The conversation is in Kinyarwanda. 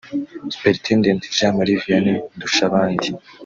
Superintendent Jean Marie Vianney Ndushabandi